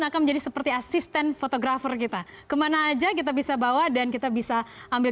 akan menjadi seperti asisten fotografer kita kemana aja kita bisa bawa dan kita bisa ambil